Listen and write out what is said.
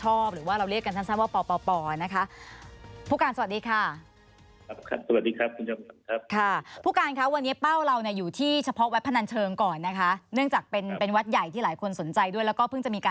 หรือได้ข้อสรุปเกี่ยวกับวัตท์พนันเชิงหรืออย่างคะ